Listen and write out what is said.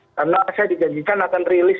karena saya dijadikan akan rilis